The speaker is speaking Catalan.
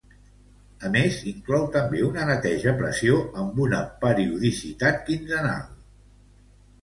A més inclou també una neteja a pressió amb una periodicitat quinzenal.